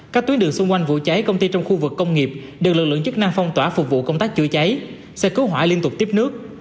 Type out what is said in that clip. các tuyến đường xung quanh vụ cháy công ty trong khu vực công nghiệp được lực lượng chức năng phong tỏa phục vụ công tác chữa cháy xe cứu hỏa liên tục tiếp nước